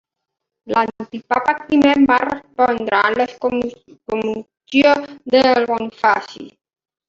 L'antipapa Climent va respondre amb l'excomunió de Bonifaci.